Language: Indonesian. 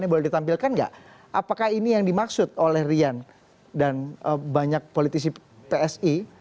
ini boleh ditampilkan nggak apakah ini yang dimaksud oleh rian dan banyak politisi psi